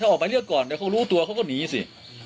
ถ้าออกหมายเรียกก่อนแต่เขารู้ตัวเขาก็หนีสิ